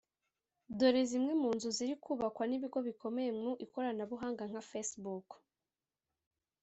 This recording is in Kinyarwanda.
Dore zimwe mu nzu ziri kubakwa n’ibigo bikomeye mu ikoranabuhanga nka Facebook